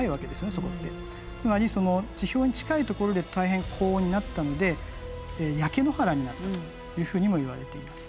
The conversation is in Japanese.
つまり地表に近い所で大変高温になったので焼け野原になったというふうにもいわれています。